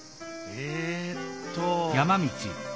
えっと。